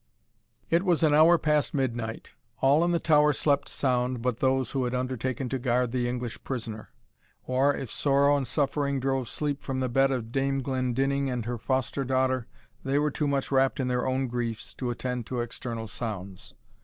It was an hour past midnight. All in the tower slept sound but those who had undertaken to guard the English prisoner; or if sorrow and suffering drove sleep from the bed of Dame Glendinning and her foster daughter, they were too much wrapt in their own griefs to attend to external sounds.